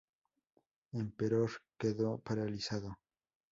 Emperor quedó paralizado.